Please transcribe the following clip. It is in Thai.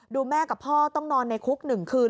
ดูแม่กับพ่อต้องนอนในคุกหนึ่งคืน